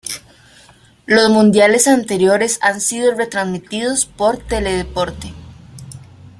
Los mundiales anteriores han sido retransmitidos por Teledeporte